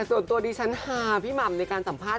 แต่ส่วนตัวดีฉันหาพี่มัมในการสัมภาษณ์